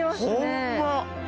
ホンマ！